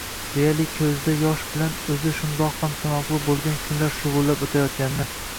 deyarli koʻzda yosh bilan oʻzi shundoq ham sanoqli boʻlgan kunlar shuvillab oʻtayotganini